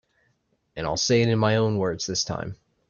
And I'll say it in my own words this time.